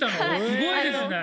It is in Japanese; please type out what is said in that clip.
すごいですね！